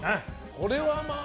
これはまあ。